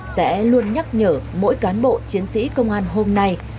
sẽ luôn nhắc nhở mỗi cán bộ chiến sĩ công an hôm nay